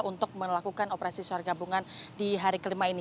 untuk melakukan operasi sargabungan di hari kelima ini